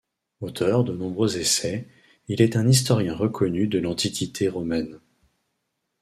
Auteur de nombreux essais, il est un historien reconnu de l'Antiquité romaine.